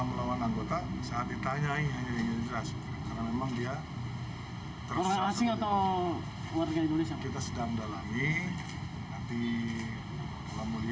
nanti kita dalami